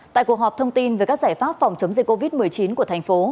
tại cuộc họp thông tin về các giải pháp phòng chống dịch covid một mươi chín của tp